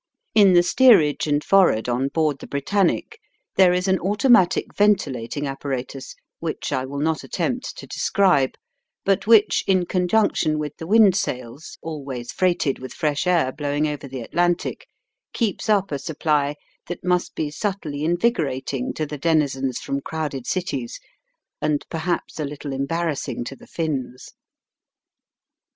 In the steerage and forward on board the Britannic there is an automatic ventilating apparatus which I wiU not attempt to describe, but which, in conjunction with the windsails, always freighted with fresh air blowing over the Atlantic, keeps up a supply that must be subtly invigorating to the denizens from crowded cities, and perhaps a little embar rassing to the Finns.